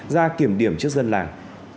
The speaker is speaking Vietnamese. ra kiểm điểm trước dân làng